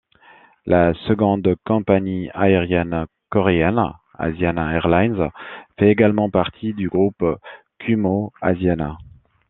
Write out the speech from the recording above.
La seconde compagnie aérienne coréenne, Asiana Airlines, fait également partie du groupe Kumho Asiana.